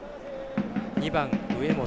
２番、上本。